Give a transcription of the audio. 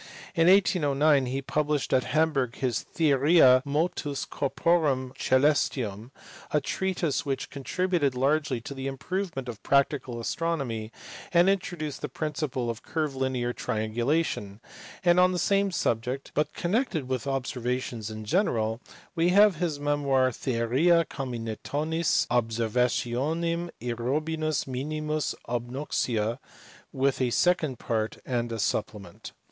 In 1809 he published at Hamburg his Theoria Motus Corporum C oelestium, a treatise which contributed largely to the improvement of practical astronomy, and introduced the principle of curvilinear triangulation : and on the same subject, but connected with observations in general, we have his memoir Theoma Combinationis Observationum Errombus Minirnis Obnoxia, with a second part and a supplement.